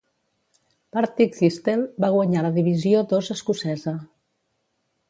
Partick Thistle va guanyar la Divisió Dos escocesa.